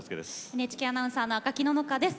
ＮＨＫアナウンサーの赤木野々花です。